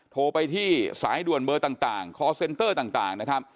โทรไปที่สายด่วนเบอร์ต่างคอร์เซ็นเตอร์ต่างนะครับ